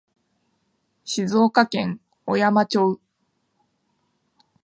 静岡県小山町